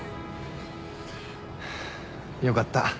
よかった。